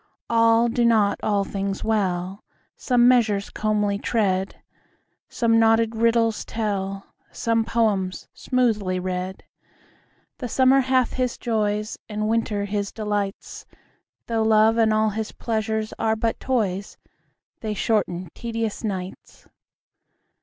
All do not all things well; Some measures comely tread, Some knotted riddles tell, Some poems smoothly read. 20 The summer hath his joys, And winter his delights; Though love and all his pleasures are but toys, They shorten tedious nights.